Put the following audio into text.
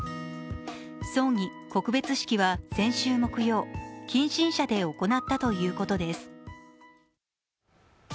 葬儀・告別式は先週木曜、近親者で行ったということです。